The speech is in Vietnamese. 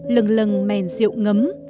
lần lần mèn rượu ngấm